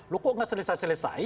lo kok tidak selesai selesai